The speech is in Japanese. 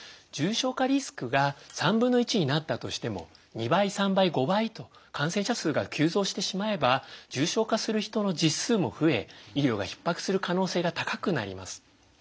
重症化リスクが３分の１になったとしても２倍３倍５倍と感染者数が急増してしまえば重症化する人の実数も増え医療がひっ迫する可能性が高くなります。